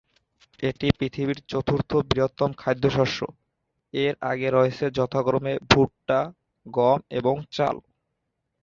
এটি পৃথিবীর চতুর্থ বৃহত্তম খাদ্যশস্য, এর আগে রয়েছে যথাক্রমে ভুট্টা, গম এবং চাল।